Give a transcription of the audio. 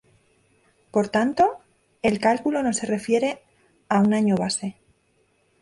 Por tanto, el cálculo no se refiere a un año base.